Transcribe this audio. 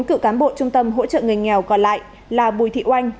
cựu cán bộ trung tâm hỗ trợ người nghèo còn lại là bùi thị oanh